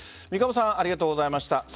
三鴨さんありがとうございました。